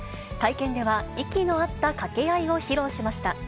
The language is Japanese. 会見では、息の合った掛け合いを披露しました。